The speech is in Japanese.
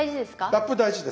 ラップ大事です。